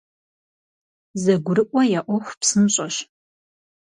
ЗэгурыӀуэ я Ӏуэху псынщӀэщ.